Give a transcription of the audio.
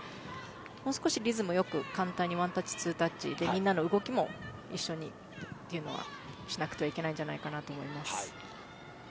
もう少しリズム良く簡単にワンタッチ、ツータッチでみんなの動きも一緒にとはしなくてはいけないと思います。